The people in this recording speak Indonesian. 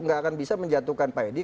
nggak akan bisa menjatuhkan pak edi